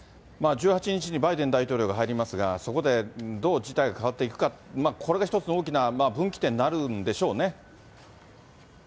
１８日にバイデン大統領が入りますが、そこでどう事態が変わっていくか、これが一つの大きな分岐点になるんでしょうね。